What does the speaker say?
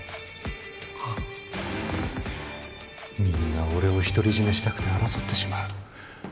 みんな俺を独り占めしたくて争ってしまう。